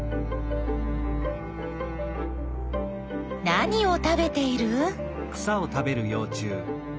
何を食べている？